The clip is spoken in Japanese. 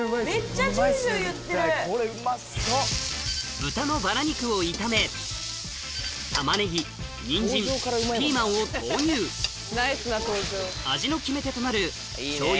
豚のばら肉を炒め玉ねぎにんじんピーマンを投入味の決め手となるしょうゆ